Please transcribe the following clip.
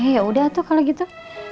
yaudah tuh kalau gitu